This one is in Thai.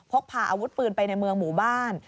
พกพาอาวุธปืนไปในเมืองหมู่บ้าน